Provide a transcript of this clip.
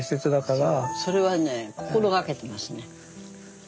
それはね心掛けてますね。